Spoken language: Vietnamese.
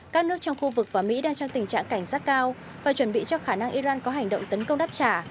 các nước trong khu vực và mỹ đang trong tình trạng cảnh giác cao và chuẩn bị cho khả năng iran có hành động tấn công đáp trả